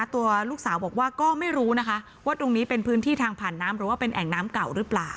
ตัวลูกสาวบอกว่าก็ไม่รู้นะคะว่าตรงนี้เป็นพื้นที่ทางผ่านน้ำหรือว่าเป็นแอ่งน้ำเก่าหรือเปล่า